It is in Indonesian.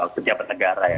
kejabat negara ya